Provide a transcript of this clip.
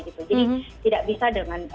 jadi tidak bisa dengan